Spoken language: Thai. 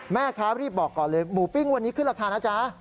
แม่ค้ารีบบอกก่อนเลยหมูปิ้งวันนี้ขึ้นราคานะจ๊ะ